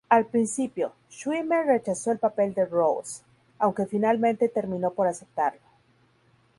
Al principio, Schwimmer rechazó el papel de Ross, aunque finalmente terminó por aceptarlo.